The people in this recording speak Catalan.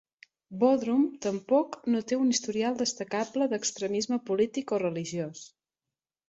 Bodrum tampoc no té un historial destacable d'extremisme polític o religiós.